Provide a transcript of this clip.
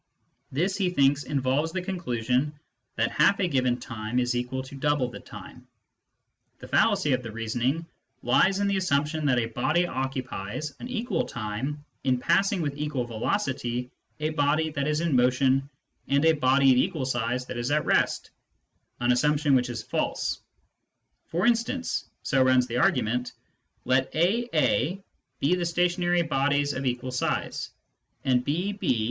This, he thinks, involves the conclusion that half a given time is equal to double the time. The fallacy of the reasoning lies in the assumption that a body occupies an equal time in passing with equal velocity a body that is in motion and a body of equal size that is at rest, an > Phys,^ vL 9. 239B (R.P. 139). ' Loc, ciL Digitized by VjOOQiC 176 SCIENTIFIC METHOD IN PHILOSOPHY assumption which is false. For instance (so runs the argument), let A A ... be the stationary bodies of equal size, B B ..